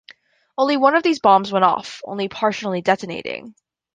Only one of these bombs went off, only partially detonating.